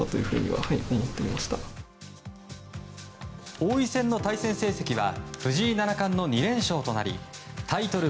王位戦の対戦成績は藤井七冠の２連勝となりタイトル